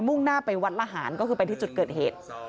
่งหน้าไปวัดละหารก็คือไปที่จุดเกิดเหตุ